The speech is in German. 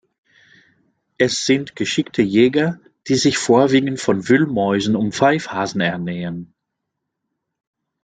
Es sind geschickte Jäger, die sich vorwiegend von Wühlmäusen und Pfeifhasen ernähren.